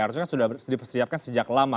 harusnya sudah dipersiapkan sejak lama